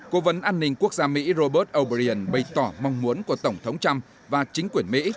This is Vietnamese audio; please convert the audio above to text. cố vấn an ninh quốc gia mỹ robert o brien bày tỏ mong muốn của tổng thống trump và chính quyền mỹ